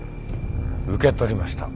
受け取りました。